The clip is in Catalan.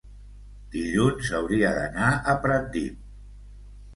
dilluns hauria d'anar a Pratdip.